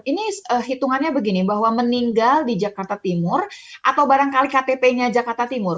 ini hitungannya begini bahwa meninggal di jakarta timur atau barangkali ktp nya jakarta timur